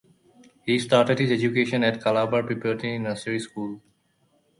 He started his education at Calabar Preparatory Nursery School.